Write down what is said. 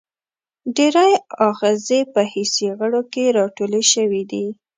ډېری آخذې په حسي غړو کې را ټولې شوي دي.